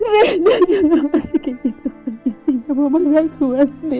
rindu jangan masih gini